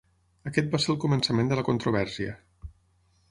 Aquest va ser el començament de la controvèrsia.